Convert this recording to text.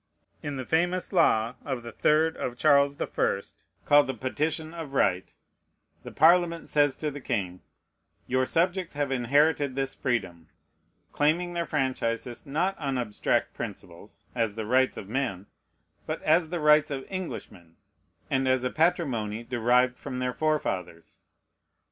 In the famous law of the 3rd of Charles the First, called the Petition of Right, the Parliament says to the king, "Your subjects have inherited this freedom": claiming their franchises, not on abstract principles, "as the rights of men," but as the rights of Englishmen, and as a patrimony derived from their forefathers.